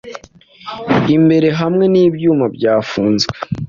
imbere hamwe nibyuma byafunzwe